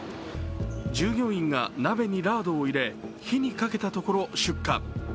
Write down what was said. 従業員が鍋にラードを入れ火にかけたところ出火。